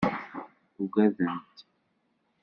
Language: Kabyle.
Uggadent.